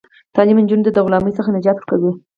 تعلیم نجونو ته د غلامۍ څخه نجات ورکوي.